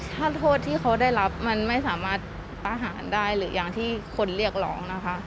ถ้าโทษที่เขาได้รับมันไม่สามารถประหารได้หรืออย่างที่คนเรียกร้องนะคะ